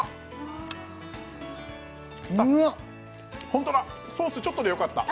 ホントだソースちょっとでよかった